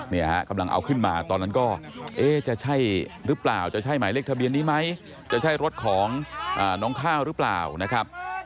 เนี่ยฮะกำลังเอาขึ้นมาตอนนั้นก็เอ๊ะจะใช่หรือเปล่าจะใช่หมายเลขทะเบียนนี้ไหมจะใช่รถของน้องข้าวหรือเปล่านะครับ